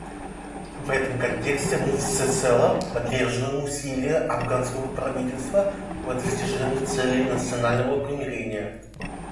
В этом контексте мы всецело поддерживаем усилия афганского правительства по достижению целей национального примирения.